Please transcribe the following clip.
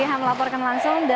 hanya melaporkan langsung